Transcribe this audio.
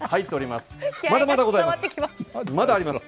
まだまだございます！